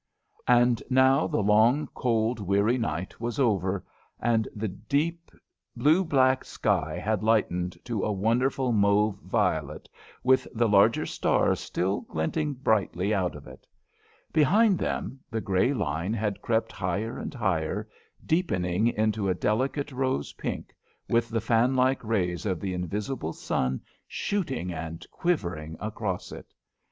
And now the long, cold, weary night was over, and the deep blue black sky had lightened to a wonderful mauve violet, with the larger stars still glinting brightly out of it. Behind them the grey line had crept higher and higher, deepening into a delicate rose pink, with the fan like rays of the invisible sun shooting and quivering across it.